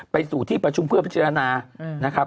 ไปสู่ที่ประชุมเพื่อพัฒนา